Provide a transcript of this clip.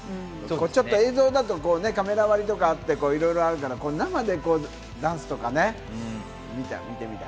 映像だとカメラ割りとかあって、いろいろあるから生でダンスとかね、見てみたい。